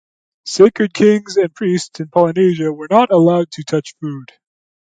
Sacred kings and priests in Polynesia were not allowed to touch food.